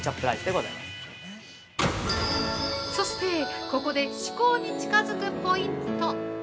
◆そして、ここで至高に近づくポイント！